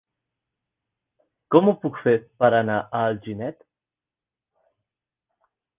Com ho puc fer per anar a Alginet?